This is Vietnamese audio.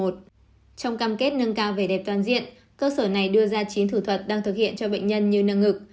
trong cam kết nâng cao vẻ đẹp toàn diện cơ sở này đưa ra chín thủ thuật đang thực hiện cho bệnh nhân như nâng ngực